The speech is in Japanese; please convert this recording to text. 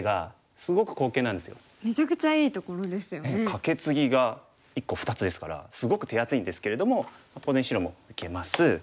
カケツギが１個２つですからすごく手厚いんですけれども当然白も受けます。